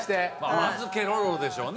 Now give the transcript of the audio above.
まずケロロでしょうね